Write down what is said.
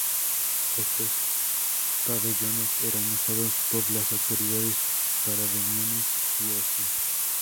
Estos pabellones eran usados por las autoridades para reuniones y ocio.